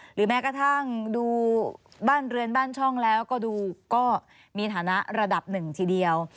แม้กระทั่งดูบ้านเรือนบ้านช่องแล้วก็ดูก็มีฐานะระดับหนึ่งทีเดียว